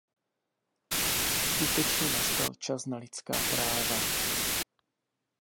Skutečně nastal čas na lidská práva.